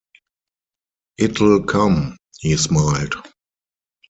“It’ll come,” he smiled.